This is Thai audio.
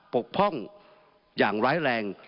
ปกป้องอย่างร้ายแรง